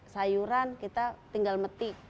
sayuran kita tinggal metik